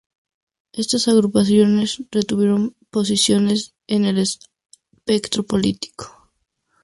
Estas agrupaciones retuvieron posiciones en el espectro político.